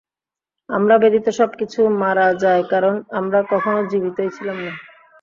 আমরা ব্যতীত সবকিছু মারা যায় কারণ আমরা কখনও জীবিতই ছিলাম না।